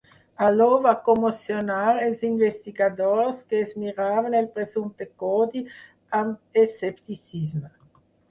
Allò va commocionar els investigadors que es miraven el presumpte codi amb escepticisme.